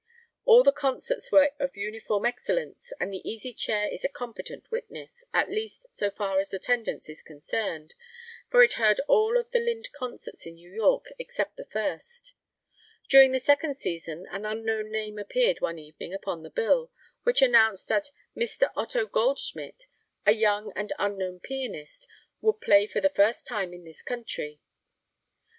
All the concerts were of uniform excellence, and the Easy Chair is a competent witness, at least so far as attendance is concerned, for it heard all of the Lind concerts in New York except the first. During the second season an unknown name appeared one evening upon the bill, which announced that Mr. Otto Goldschmidt, a young and unknown pianist, would play for the first time in this country.